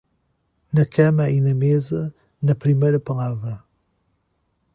Na cama e na mesa, na primeira palavra.